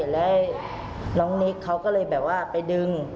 แล้วน้องนิกเขาก็เลยแบบว่าไปดึง